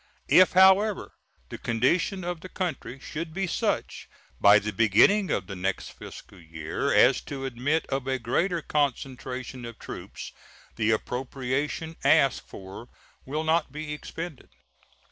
If, however, the condition of the country should be such by the beginning of the next fiscal year as to admit of a greater concentration of troops, the appropriation asked for will not be expended.